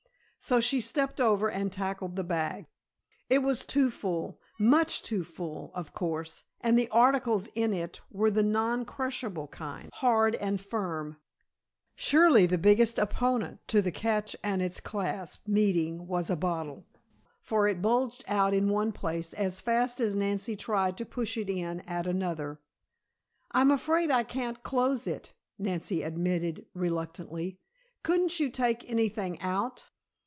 So she stepped over and tackled the bag. It was too full, much too full, of course, and the articles in it were the non crushable kind, hard and firm. Surely the biggest opponent to the catch and its clasp meeting was a bottle, for it bulged out in one place as fast as Nancy tried to push it in at another. "I'm afraid I can't close it," Nancy admitted reluctantly. "Couldn't you take anything out?"